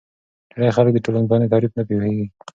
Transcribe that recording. ډېری خلک د ټولنپوهنې تعریف نه پوهیږي.